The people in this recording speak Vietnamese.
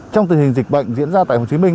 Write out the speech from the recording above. trong tình hình dịch bệnh diễn ra tại hồ chí minh